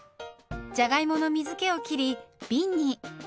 じゃがいもの水けを切りびんに。